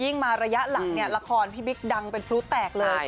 มาระยะหลังเนี่ยละครพี่บิ๊กดังเป็นพลุแตกเลย